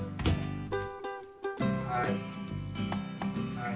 はい。